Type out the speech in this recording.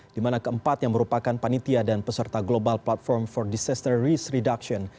di mana keempat yang merupakan panitia dan peserta global platform for disaster risk reduction